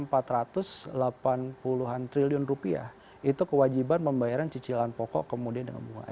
puluhan triliun rupiah itu kewajiban pembayaran cicilan pokok kemudian dengan bunga